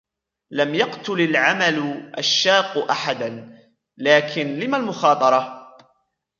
لم يقتل العمل الشاق أحدًا. لكن لم المخاطرة ؟!